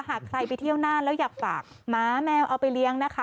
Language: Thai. หากใครไปเที่ยวน่านแล้วอยากฝากหมาแมวเอาไปเลี้ยงนะคะ